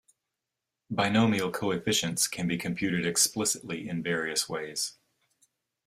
Binomial coefficients can be computed explicitly in various ways.